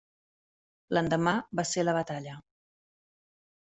L'endemà va ser la batalla.